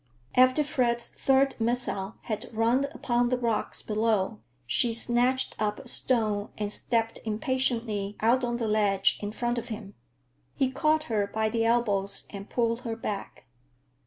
After Fred's third missile had rung upon the rocks below, she snatched up a stone and stepped impatiently out on the ledge in front of him. He caught her by the elbows and pulled her back.